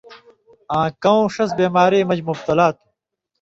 آں کؤں ݜَس بیماری مژ مُبتلا تُھو